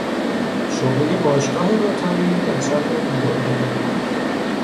شعبهی باشگاه روتاری در شهر ویورلی